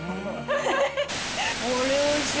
これ、おいしい。